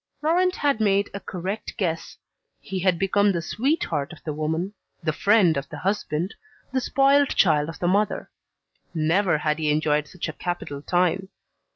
Laurent had made a correct guess: he had become the sweetheart of the woman, the friend of the husband, the spoilt child of the mother. Never had he enjoyed such a capital time.